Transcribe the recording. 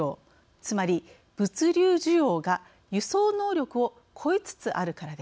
つまり物流需要が輸送能力を超えつつあるからです。